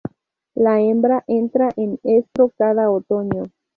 La hembra entra en estro cada otoño.